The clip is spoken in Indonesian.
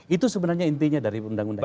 itu sebenarnya intinya dari undang undang